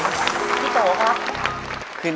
ขอบคุณนะครับพี่โตค่ะพี่โตครับขอบคุณค่ะพี่โตครับ